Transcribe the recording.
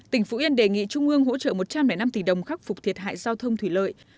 tỉnh phú yên đề nghị trung ương hỗ trợ một trăm linh năm tỷ đồng khắc phục thiệt hại giao thông thủy lợi